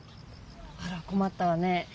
あらこまったわね。